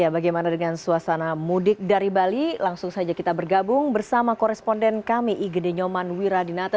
bagaimana dengan suasana mudik dari bali langsung saja kita bergabung bersama koresponden kami igede nyoman wiradinata